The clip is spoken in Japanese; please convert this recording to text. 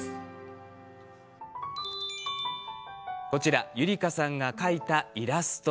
こちらゆりかさんが描いたイラスト。